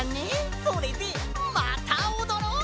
それでまたおどろう！